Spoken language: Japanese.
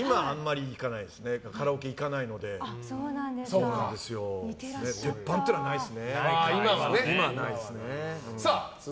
今、あんまりカラオケ行かないので鉄板っていうのは今はないですね。